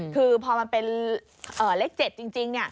คือพอมันเป็นเลข๗จริง